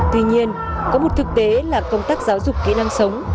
tuy nhiên có một thực tế là công tác giáo dục kỹ năng sống